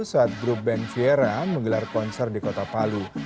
saat grup band viera menggelar konser di kota palu